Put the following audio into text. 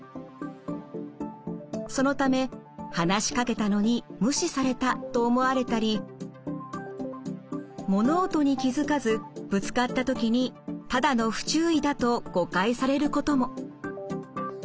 そのため話しかけたのに無視されたと思われたり物音に気付かずぶつかった時にただの不注意だと誤解されることも。